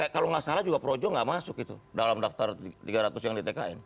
kalau tidak salah juga projo tidak masuk dalam daftar tiga ratus yang di tkn